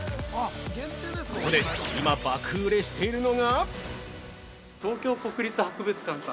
ここで今爆売れしているのが？